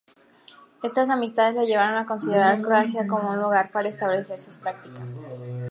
Estas amistades le llevaron a considerar Croacia como lugar para establecer sus prácticas.